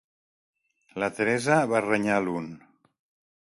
La Teresa va renyar l'un.